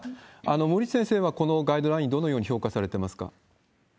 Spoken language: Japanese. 森内先生はこのガイドライン、どのように評価されてますか？